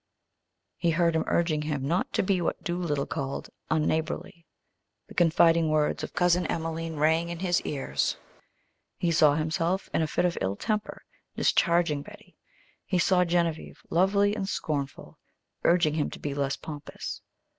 He heard him urging him not to be what Doolittle called unneighborly. The confiding words of Cousin Emelene rang in his ears. He saw himself, in a fit of ill temper, discharging Betty. He saw Genevieve, lovely and scornful, urging him to be less pompous.